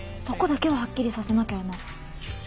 そこだけははっきりさせなきゃやな。